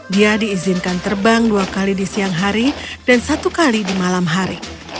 dia diizinkan terbang dua kali di siang hari dan satu kali di malam hari